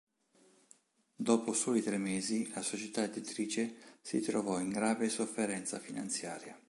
Dopo soli tre mesi la società editrice si trovò in grave sofferenza finanziaria.